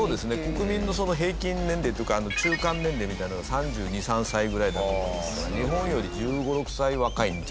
国民の平均年齢っていうか中間年齢みたいなのが３２３３ぐらいだと思いますから日本より１５１６歳若いんじゃないかな。